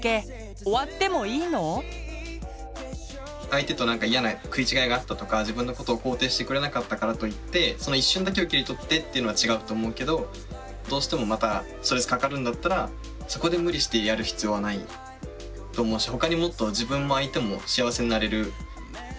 相手とイヤな食い違いがあったとか自分のことを肯定してくれなかったからといってその一瞬だけを切り取ってっていうのは違うと思うけどどうしてもまたストレスかかるんだったらそこで無理してやる必要はないと思うしああなるほど。